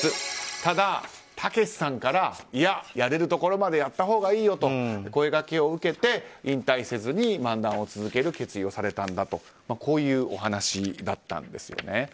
ただ、たけしさんからいや、やれるところまでやったほうがいいよと声掛けを受けて、引退せずに漫談を続ける決意をされたんだという話だったんです。